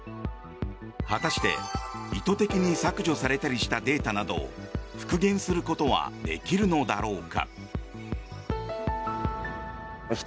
果たして意図的に削除されたりしたデータなどを復元することはできるのだろうか。